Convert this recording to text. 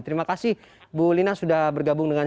terima kasih bu lina sudah bergabung dengan